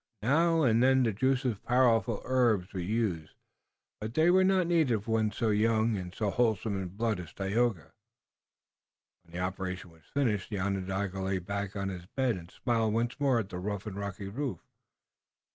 Now and then the juices of powerful herbs were used, but they were not needed for one so young and so wholesome in blood as Tayoga. When the operation was finished the Onondaga lay back on his bed and smiled once more at the rough and rocky roof.